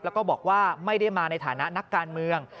แล้วก็บอกว่าไม่ได้มาในฐานะนักการเมือง